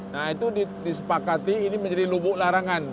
nah itu disepakati ini menjadi lubuk larangan